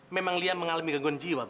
memang lia mengalami genggaman jiwa bu